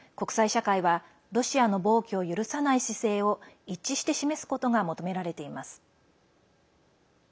国際社会はロシアの暴挙を許さない姿勢を一致して示すことが求められています。